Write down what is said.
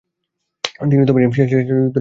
তিনি সেনুসি তরিকার প্রধান ছিলেন।